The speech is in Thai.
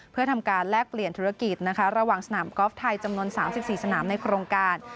เพื่อทำการแลกเปลี่ยนธุรกิจระหว่างสนามกอล์ฟไทยจำนวน๓๔สนามในโครงการ